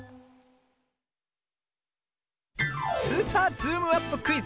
「スーパーズームアップクイズ」